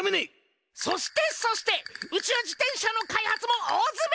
そしてそして宇宙自転車の開発も大づめ！